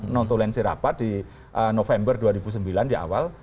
notulensi rapat di november dua ribu sembilan di awal